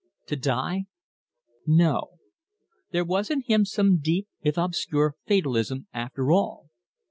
To die? No. There was in him some deep, if obscure, fatalism after all.